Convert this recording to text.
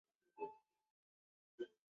总部位于分别英国。